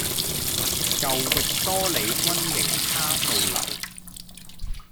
舊域多利軍營卡素樓